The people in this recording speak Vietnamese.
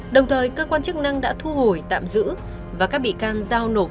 đồng thời cơ quan chức năng đã thu hồi tạm giữ và các bị can giao nộp